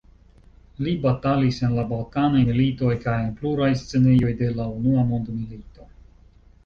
Li batalis en la Balkanaj militoj kaj en pluraj scenejoj de la Unua Mondmilito.